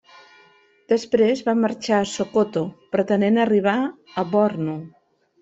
Després va marxar a Sokoto pretenent arribar a Bornu.